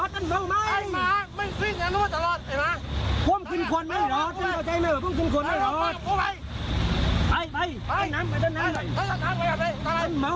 คุณตำรวจคุณตำรวจจักรภาคต้องกลัวจักรภาค